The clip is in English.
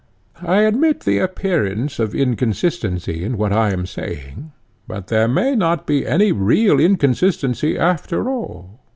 I admit the appearance of inconsistency in what I am saying; but there may not be any real inconsistency after all.